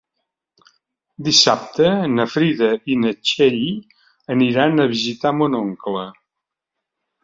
Dissabte na Frida i na Txell aniran a visitar mon oncle.